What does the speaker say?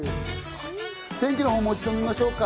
天気の方をもう一度見ましょうか。